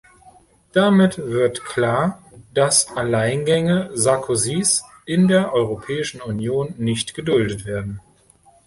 Damit wird klar, dass Alleingänge Sarkozys in der Europäischen Union nicht geduldet werden!